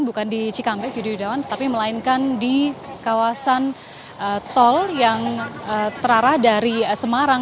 bukan di cikampek yudi yudawan tapi melainkan di kawasan tol yang terarah dari semarang